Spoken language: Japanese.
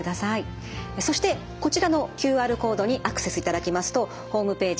そしてこちらのＱＲコードにアクセスいただきますとホームページ